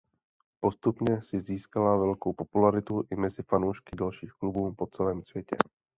Postupně si získala velkou popularitu i mezi fanoušky dalších klubů po celém světě.